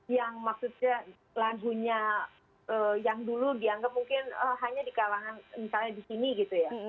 yang maksudnya lagunya yang dulu dianggap mungkin hanya di kalangan misalnya di sini gitu ya